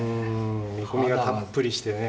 見込みがたっぷりしてね